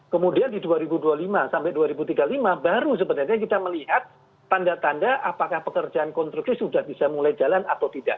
kemudian di dua ribu dua puluh lima sampai dua ribu tiga puluh lima baru sebenarnya kita melihat tanda tanda apakah pekerjaan konstruksi sudah bisa mulai jalan atau tidak